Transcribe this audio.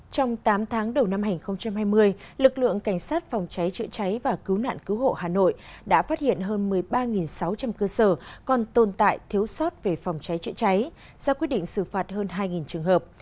trong tám tháng đầu năm hai nghìn hai mươi lực lượng cảnh sát phòng cháy chữa cháy và cứu nạn cứu hộ hà nội đã phát hiện hơn một mươi ba sáu trăm linh cơ sở còn tồn tại thiếu sót về phòng cháy chữa cháy ra quyết định xử phạt hơn hai trường hợp